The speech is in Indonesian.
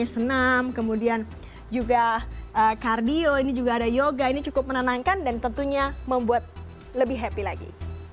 senam kemudian juga kardio ini juga ada yoga ini cukup menenangkan dan tentunya membuat lebih happy lagi